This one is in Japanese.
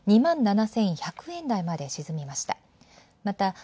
一時２７１００円台まで沈みました。